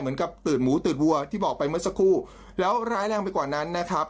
เหมือนกับตื่นหมูตื่นวัวที่บอกไปเมื่อสักครู่แล้วร้ายแรงไปกว่านั้นนะครับ